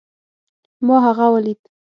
ما هغه وليد